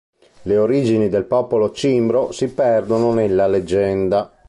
Le origini del popolo cimbro si perdono nella leggenda.